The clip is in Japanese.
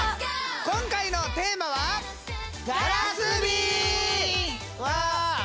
今回のテーマはうわ！